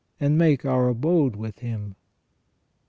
and make our abode with him ".